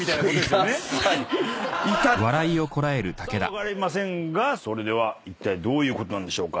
分かりませんがそれではどういうことなんでしょうか。